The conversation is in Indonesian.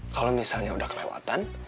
kalo misalnya udah kelewatan